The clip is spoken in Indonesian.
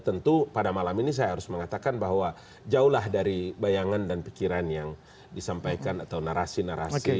tentu pada malam ini saya harus mengatakan bahwa jauh lah dari bayangan dan pikiran yang disampaikan atau narasi narasi